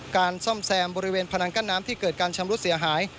การซ่อมแซมบริเวณพนังกั้นน้ำที่เกิดการชำรุดเสียหาย